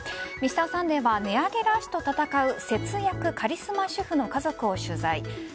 「Ｍｒ．サンデー」は値上げラッシュと闘う節約カリスマ主婦の家族を取材。